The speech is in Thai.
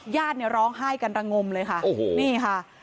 ญาติร้องไห้กันระงมเลยค่ะนี่ค่ะ